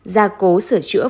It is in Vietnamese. ra cố sửa chữa